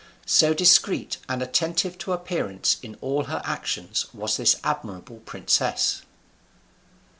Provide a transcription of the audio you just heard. So discreet and attentive to appearance in all her actions was this admirable princess.